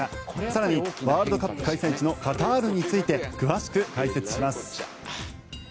更に、ワールドカップ開催地のカタールについて詳しく解説します。